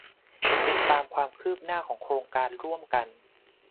ติดตามความคืบหน้าของโครงการร่วมกัน